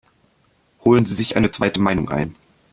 Holen Sie sich eine zweite Meinung ein!